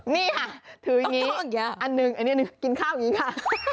นี่ค่ะถืออย่างนี้อันหนึ่งอันนี้กินข้าวอย่างนี้ค่ะ